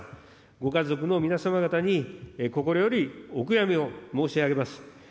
ご家族の皆様方に、心よりお悔やみを申し上げます。